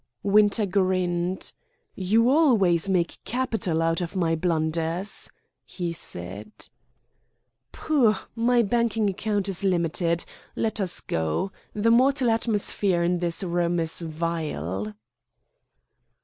Winter grinned. "You always make capital out of my blunders," he said. "Pooh! My banking account is limited. Let us go. The moral atmosphere in this room is vile."